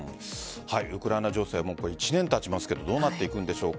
ウクライナ情勢も１年たちますがどうなっていくんでしょうか。